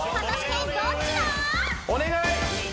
お願い！